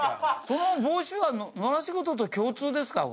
その帽子は野良仕事と共通ですか？